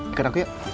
ikut aku yuk